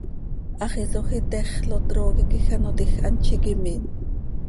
Hax isoj itexl oo, trooqui quij ano tiij, hant z iiqui miin.